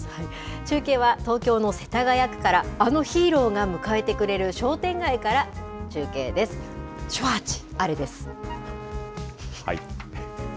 中継は東京の世田谷区から、あのヒーローが迎えてくれる商店街から中継です。